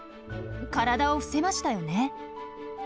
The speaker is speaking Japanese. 体を伏せましたよね。